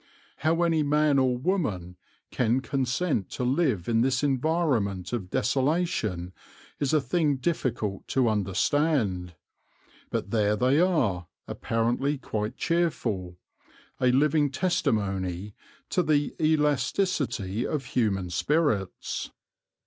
How any man or woman can consent to live in this environment of desolation is a thing difficult to understand; but there they are, apparently quite cheerful, a living testimony to the elasticity of human spirits.